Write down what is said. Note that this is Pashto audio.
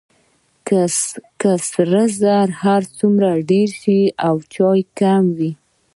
که سره زر هر څومره ډیر شي او چای کم وي.